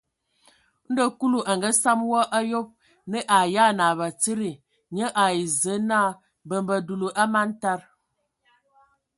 Ndɔ Kulu a ngasam wɔ a yob, nə a ayan ai batsidi, nye ai Zǝə naa: mbembe dulu, a man tad.